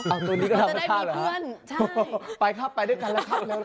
ตัวนี้ก็ธรรมชาติเหรอไปครับไปด้วยกันนะครับ